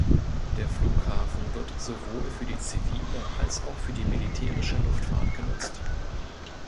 Der Flughafen wird sowohl für die zivile als auch die militärische Luftfahrt genutzt.